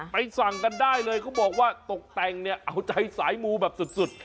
สั่งกันได้เลยเขาบอกว่าตกแต่งเนี่ยเอาใจสายมูแบบสุด